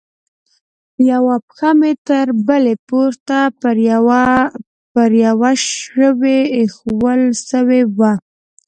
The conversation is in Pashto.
يوه پښه مې تر بلې پورته پر يوه شي ايښوول سوې وه.